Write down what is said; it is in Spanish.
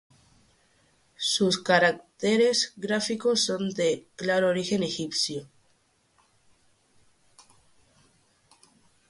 Sus caracteres gráficos son de claro origen egipcio.